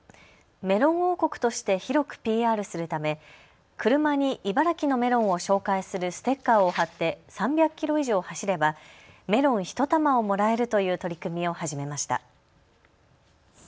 メロン王国として広くＰＲするため車に茨城のメロンを紹介するステッカーを貼って３００キロ以上走ればメロン１玉をもらえるという取り組みを始めました。